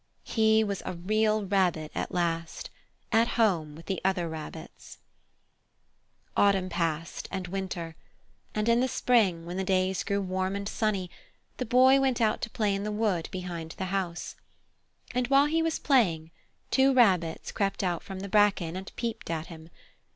He was a Real Rabbit at last, at home with the other rabbits. At Last! At Last! Autumn passed and Winter, and in the Spring, when the days grew warm and sunny, the Boy went out to play in the wood behind the house. And while he was playing, two rabbits crept out from the bracken and peeped at him.